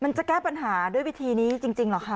มันจะแก้ปัญหาด้วยวิธีนี้จริงเหรอคะ